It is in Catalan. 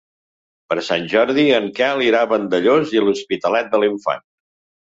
Per Sant Jordi en Quel irà a Vandellòs i l'Hospitalet de l'Infant.